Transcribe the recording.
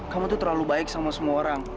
kamu tuh terlalu baik sama semua orang